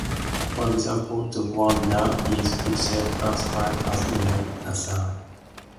For example, the word "ner" is itself classified as ner asai.